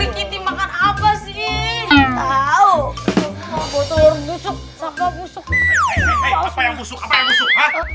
hei hei hei apa yang busuk apa yang busuk